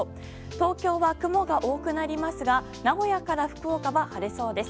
東京は雲が多くなりますが名古屋から福岡は晴れそうです。